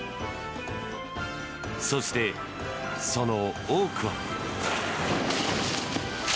そして、その多くは。